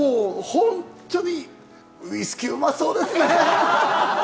本当にウイスキーうまそうですね。